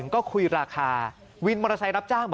ขอบคุณครับ